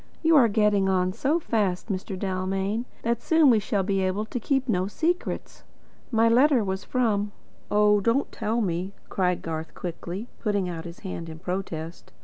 "You are getting on so fast, Mr. Dalmain, that soon we shall be able to keep no secrets. My letter was from " "Oh, don't tell me," cried Garth quickly, putting out his hand in protest.